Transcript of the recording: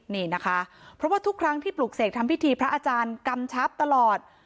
นี่นะคะเพราะว่าทุกครั้งที่ปลุกเสกทำพิธีพระอาจารย์กำชับตลอด